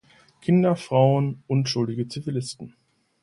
Kinder, Frauen, unschuldige Zivilisten.